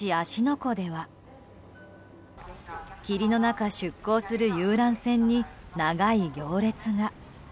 湖では霧の中、出港する遊覧船に長い行列が。